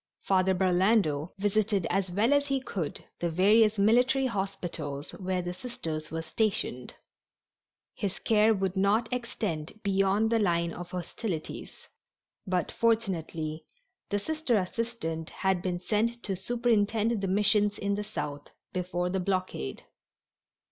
Father Burlando visited as well as he could the various military hospitals where the Sisters were stationed. His care would not extend beyond the line of hostilities, but, fortunately, the Sister assistant had been sent to superintend the missions in the South before the blockade.